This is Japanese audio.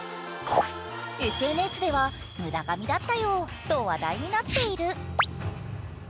ＳＮＳでは無駄がみだったよと話題になっている。